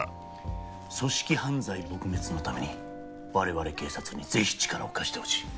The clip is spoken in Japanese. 組織犯罪撲滅のために我々警察にぜひ力を貸してほしい。